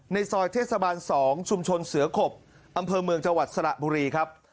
ในซอยเทศบาล๒ชุมชนเสือขบอำเภอเมืองจังหวัดสระบุรีครับ